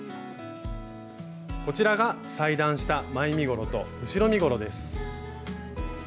こちらが裁断した前身ごろと後ろ身ごろです。